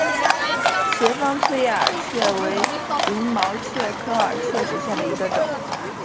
斜方刺叶耳蕨为鳞毛蕨科耳蕨属下的一个种。